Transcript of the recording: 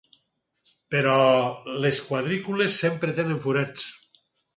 Però les quadrícules sempre tenen forats.